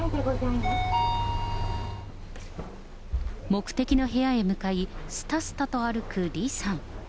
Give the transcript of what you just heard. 目的の部屋に向かい、すたすたと歩く李さん。